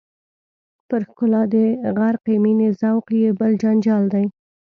پر ښکلا د غرقې مینې ذوق یې بل جنجال دی.